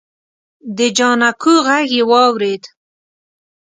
د جانکو غږ يې واورېد.